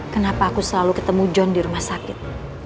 kenapa aku selalu ketemu john di rumah sakit